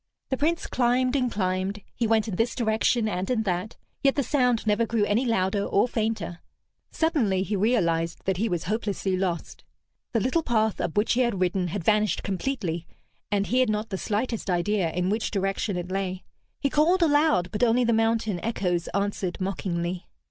The Prince climbed and climbed, he went in this direction and in that, yet the sound never grew any louder or fainter. Suddenly he realized that he was hopelessly lost. The little path up which he had ridden had vanished completely, and he had not the slightest idea in which direction it lay. He called aloud, but only the mountain echoes answered mockingly.